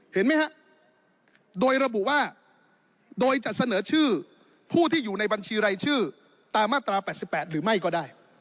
เห็นไหมฮะโดยระบุว่าโดยจะเสนอชื่อผู้ที่อยู่ในบัญชีรายชื่อตามมาตรา๘๘หรือไม่ก็ได้